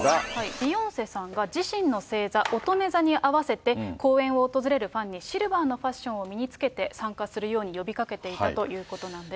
ビヨンセさんが自身の星座、おとめ座に合わせて公演を訪れるファンにシルバーのファッションを身につけて参加するように呼びかけていたということなんです。